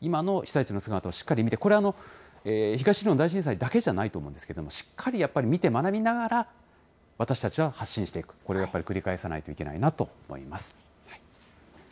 今の被災地の姿をしっかり見て、これ、東日本大震災だけじゃないと思うんですけれども、しっかりやっぱり見て学びながら、私たちは発信していく、これをやっぱり繰り返さないといけないなと思います。